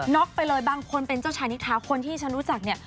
็อกไปเลยบางคนเป็นเจ้าชายนิทราคนที่ฉันรู้จักเนี่ย